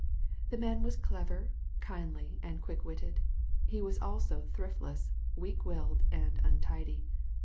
The man was clever, kindly, and quick witted ; he was also thriftless, weak willed, and untidy.